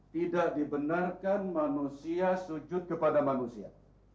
tidak dibenarkan manusia sujud kepada manusia